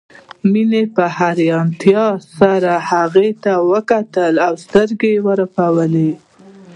مينې په حيرانتيا سره هغوی ته وکتل او سترګې يې ورپولې